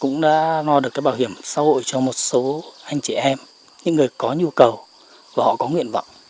giúp bảo hiểm xã hội cho một số anh chị em những người có nhu cầu và họ có nguyện vọng